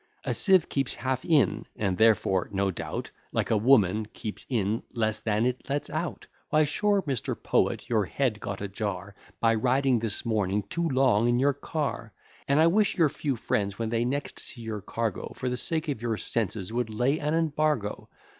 A sieve keeps half in, and therefore, no doubt, Like a woman, keeps in less than it lets out. Why sure, Mr. Poet, your head got a jar, By riding this morning too long in your car: And I wish your few friends, when they next see your cargo, For the sake of your senses would lay an embargo.